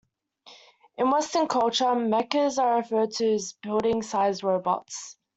In Western culture, mechas are referred to building sized robots.